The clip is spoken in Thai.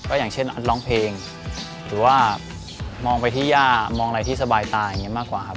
อย่างเช่นร้องเพลงหรือว่ามองไปที่ย่ามองอะไรที่สบายตาอย่างนี้มากกว่าครับ